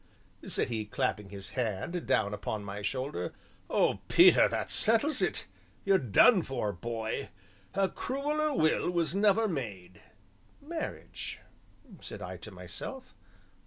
said he, clapping his hand down upon my shoulder, "oh, Peter, that settles it; you're done for, boy a crueller will was never made." "Marriage!" said I to myself.